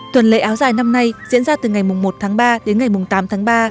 tuần lễ áo dài năm nay diễn ra từ ngày một tháng ba đến ngày tám tháng ba